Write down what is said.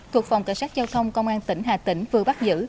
thuộc phòng cảnh sát giao thông công an tỉnh hà tĩnh vừa bắt giữ